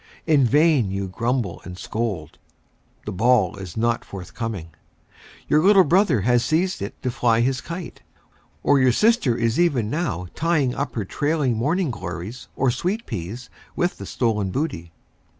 In vain you grumble and scold. The ball is not forthcoming. Your little brother has seized it to fly his kite, or your sister is even now tying up her trailing morning glories, or sweet peas, with the stolen booty.